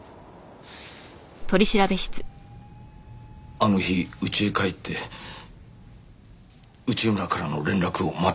あの日家へ帰って内村からの連絡を待っていました。